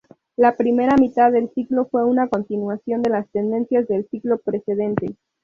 La primera mitad del siglo fue una continuación de las tendencias del siglo precedente.